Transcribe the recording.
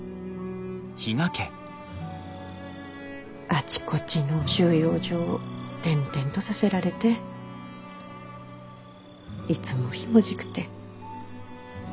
あちこちの収容所を転々とさせられていつもひもじくて。